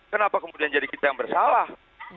kenapa kemudian jadi kita yang bersalah